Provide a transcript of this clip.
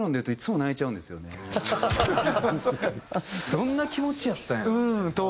どんな気持ちやったんやろう？みたいな。